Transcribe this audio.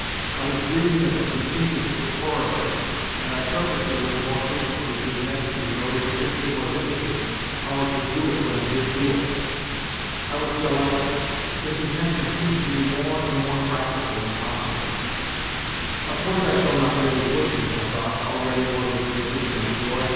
I was dreaming of it continually, horribly, and I purposely went more frequently to the Nevsky in order to picture more vividly how I should do it when I did do it. I was delighted. This intention seemed to me more and more practical and possible. " Of course I shall not really push him," I thought, already more good natured in my joy.